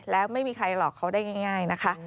แล้วไม่มีใครหลอกเขาได้ง่ายนะคะ